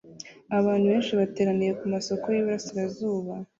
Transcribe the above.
Abantu benshi bateraniye kumasoko yuburasirazuba